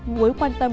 mối quan tâm